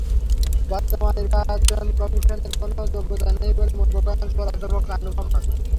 বর্তমান নির্বাচন কমিশনের কোনো যোগ্যতা নেই বলে মন্তব্য করেন সভায় অধ্যাপক আনু মুহাম্মদ।